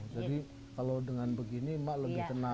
jadi kalau dengan begini mak lebih tenang